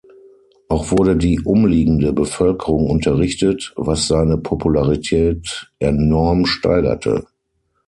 Auch wurde die umliegende Bevölkerung unterrichtet, was seine Popularität enorm steigerte.